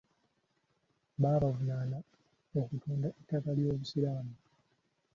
Babavunaana okutunda ettaka ly'Obusiraamu.